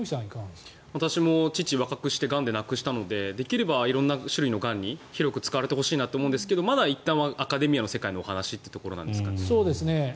私も父を若くしてがんで亡くしたのでできれば色んな種類のがんに広く使われてほしいと思いますがまだいったんはアカデミアの世界のそうですね。